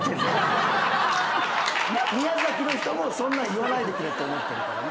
宮崎の人もそんなん言わないでくれと思ってるからね。